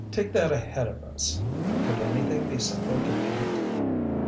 Take that ahead of us. Could anything be simpler to paint?"